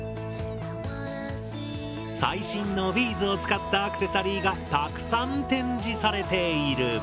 最新のビーズを使ったアクセサリーがたくさん展示されている。